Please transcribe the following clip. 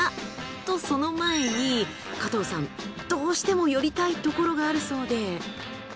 とその前に加藤さんどうしても寄りたいところがあるそうで。